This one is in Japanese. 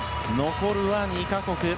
残るは２か国。